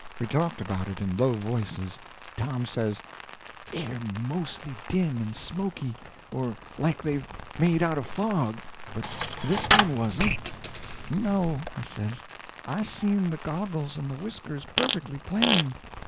We talked about it in low voices. Tom says: "They're mostly dim and smoky, or like they're made out of fog, but this one wasn't." "No," I says; "I seen the goggles and the whiskers perfectly plain."